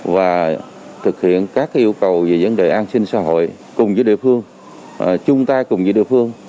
và thực hiện các yêu cầu về vấn đề an sinh xã hội cùng với địa phương chung tay cùng với địa phương